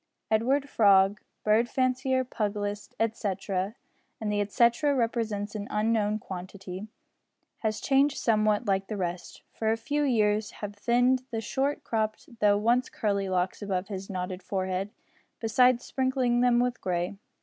Edward Frog, bird fancier, pugilist, etcetera, (and the etcetera represents an unknown quantity), has changed somewhat like the rest, for a few years have thinned the short cropped though once curly locks above his knotted forehead, besides sprinkling them with grey.